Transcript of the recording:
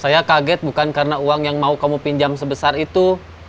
saya kaget bukan karena uang yang mau kamu pinjam sebesar itu